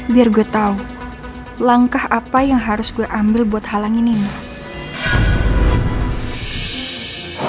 biar gue tau langkah apa yang harus gue ambil buat halangin ini